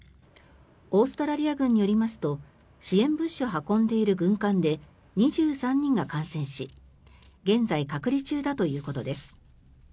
オーストラリア軍によりますと支援物資を運んでいる軍艦で２３人が感染し現在、隔離中だということです。